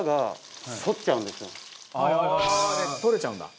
取れちゃうんだ。